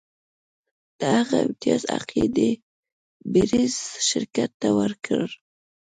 د هغه د امتیاز حق یې ډي بیرز شرکت ته ورکړ.